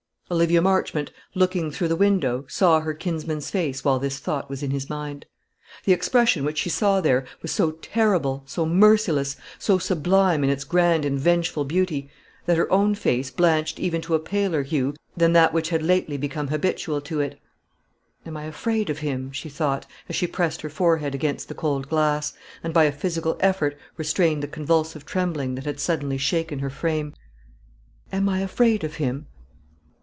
Olivia Marchmont, looking through the window, saw her kinsman's face while this thought was in his mind. The expression which she saw there was so terrible, so merciless, so sublime in its grand and vengeful beauty, that her own face blanched even to a paler hue than that which had lately become habitual to it. "Am I afraid of him?" she thought, as she pressed her forehead against the cold glass, and by a physical effort restrained the convulsive trembling that had suddenly shaken her frame. "Am I afraid of him?